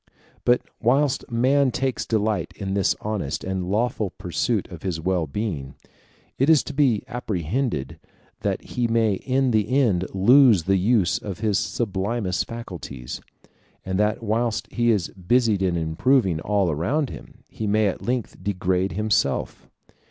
But whilst man takes delight in this honest and lawful pursuit of his wellbeing, it is to be apprehended that he may in the end lose the use of his sublimest faculties; and that whilst he is busied in improving all around him, he may at length degrade himself.